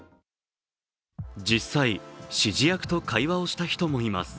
実際、指示役と会話をした人もいます。